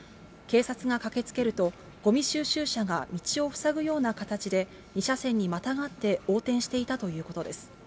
警察が駆けつけると、ごみ収集車が道を塞ぐような形で、２車線にまたがって横転していたということです。